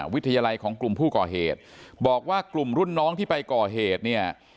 วิทยาลัยของกลุ่มผู้ก่อเหตุบอกว่ากลุ่มรุ่นน้องที่ไปก่อเหตุเนี่ย